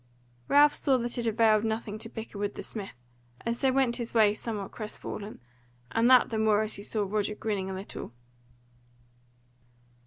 Ralph saw that it availed nothing to bicker with the smith, and so went his way somewhat crestfallen, and that the more as he saw Roger grinning a little.